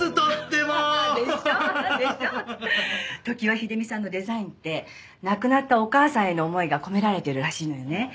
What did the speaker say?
常盤秀美さんのデザインって亡くなったお母さんへの思いが込められてるらしいのよね。